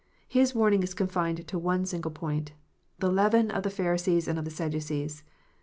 His warning is confined to one single point :" The leaven of the Pharisees and of the Sadducees."